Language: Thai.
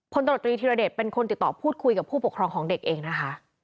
ตรวจตรีธิรเดชเป็นคนติดต่อพูดคุยกับผู้ปกครองของเด็กเองนะคะ